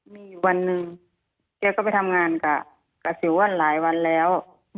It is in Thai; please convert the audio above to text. มีอยู่วันหนึ่งแกก็ไปทำงานกับสิวอนหลายวันแล้ว